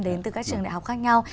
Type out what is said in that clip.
đến từ các trường đại học khác nhau